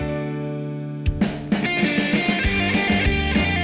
ลองเต้นเรียกลูกค้าซักนิดหนึ่งได้ไหมคะ